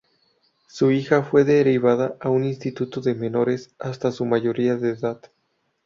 Su hija fue derivada a un instituto de menores hasta su mayoría de edad.